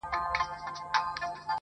غل د پیشي درب څخه ھم بېرېږي -